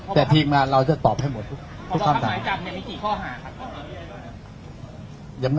แต่ทีมงานเราจะตอบให้หมดทุกค่ำถาม